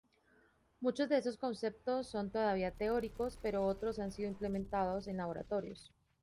Muchos de esos conceptos son todavía teóricos, pero otros han sido implementados en laboratorios.